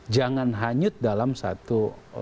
jangan hanyut dalam satu